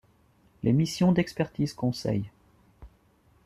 Les missions d'expertises, conseil.